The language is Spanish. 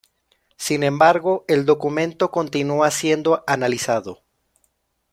Sin embargo, el documento continúa siendo analizado.